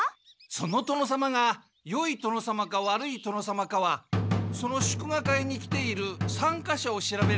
その殿様がよい殿様か悪い殿様かはその祝賀会に来ているさんか者を調べればわかるから。